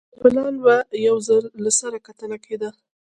پر پلان به یو ځل له سره کتنه کېده